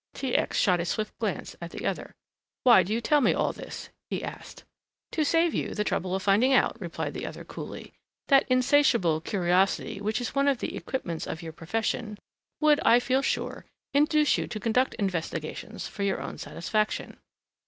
T. X. shot a swift glance at the other. "Why do you tell me all this?" he asked. "To save you the trouble of finding out," replied the other coolly. "That insatiable curiosity which is one of the equipments of your profession, would, I feel sure, induce you to conduct investigations for your own satisfaction."